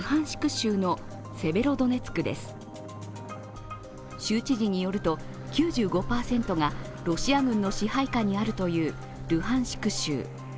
州知事によると、９５％がロシア軍の支配下にあるというルハンシク州。